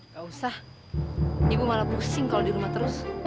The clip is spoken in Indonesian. gak usah ibu malah pusing kalau di rumah terus